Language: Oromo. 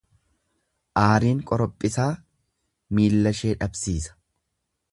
Aariin qorophisaa, miillashee dhabsiisa.